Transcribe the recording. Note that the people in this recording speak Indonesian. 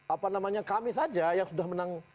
apa namanya kami saja yang sudah menang